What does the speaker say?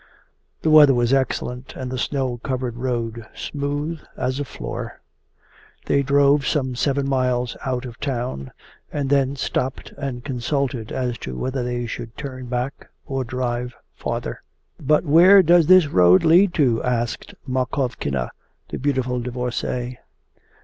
The weather was excellent and the snow covered road smooth as a floor. They drove some seven miles out of town, and then stopped and consulted as to whether they should turn back or drive farther. 'But where does this road lead to?' asked Makovkina, the beautiful divorcee.